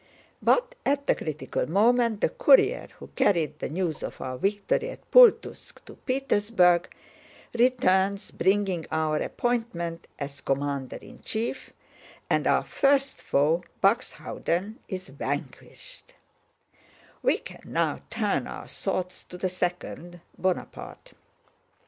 But at the critical moment the courier who carried the news of our victory at Pultúsk to Petersburg returns bringing our appointment as commander in chief, and our first foe, Buxhöwden, is vanquished; we can now turn our thoughts to the second, Bonaparte.